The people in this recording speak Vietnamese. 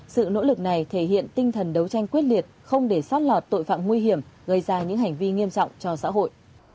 sự nỗ lực này thể hiện tinh thần đấu tranh quyết liệt không để sót lọt tội phạm nguy hiểm gây ra những hành vi nghiêm trọng cho xã hội